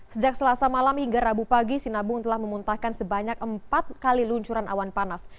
sejak selasa malam hingga rabu pagi sinabung telah memuntahkan sebanyak empat kali luncuran awan panas